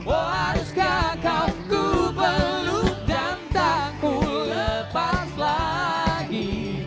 oh haruskah kau ku peluk dan tak ku lepas lagi